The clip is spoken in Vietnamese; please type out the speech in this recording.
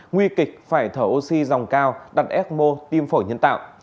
nguy kịch phải thở oxy dòng cao đặt ecmo tim phổi nhân tạo